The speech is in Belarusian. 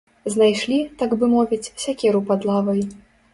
Знайшлі, так бы мовіць, сякеру пад лавай.